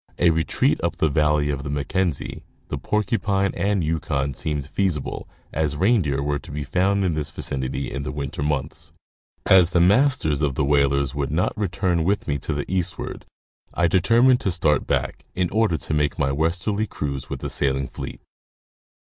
A retreat up the valley of the Mackenzie, the Porcupine, and Yukon, seemed feasible, as reindeer were to be found in this vicinity in the winter months. As the masters of the whalers would not return with me to the eastward, I determined to start back, in order to make my westerly cruise with the sailing fleet.